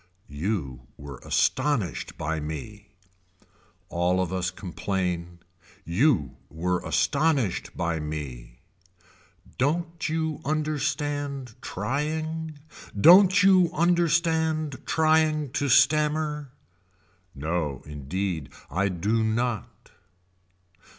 You were astonished by me. All of us complain. You were astonished by me. Don't you understand trying. Don't you understand trying to stammer. No indeed I do not.